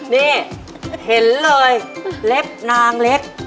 นี่เห็นเลยเล็บนางเล็ก